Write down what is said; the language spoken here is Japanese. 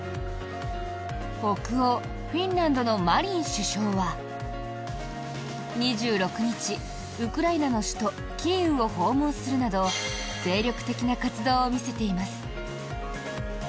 北欧、フィンランドのマリン首相は２６日、ウクライナの首都キーウを訪問するなど精力的な活動を見せています。